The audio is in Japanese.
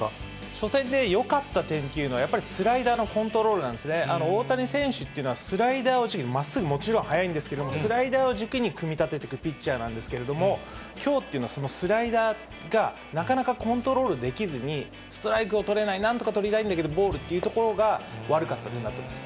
初戦でよかった点というのは、やっぱりスライダーのコントロールなんですね、大谷選手っていうのは、スライダーを軸に、まっすぐももちろん速いんですけれども、スライダーを軸に組み立てていくピッチャーなんですけれども、きょうっていうのは、そのスライダーがなかなかコントロールできずに、ストライクを取れない、なんとか取りたいんだけど、ボールというところが悪かった点になってます。